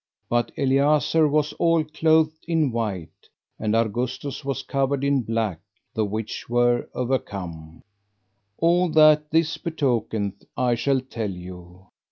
But Eliazar was all clothed in white, and Argustus was covered in black, the which were [over]come. All what this betokeneth I shall tell you.